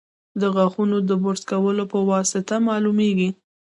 د غاښونو د برس کولو په واسطه معلومېږي.